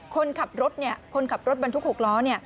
คนขับรถบรรทุกหกล้อ